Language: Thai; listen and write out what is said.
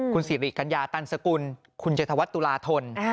คุณสิริกัญญาตันสกุลคุณชัยธวัฒนตุลาธน